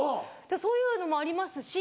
そういうのもありますし。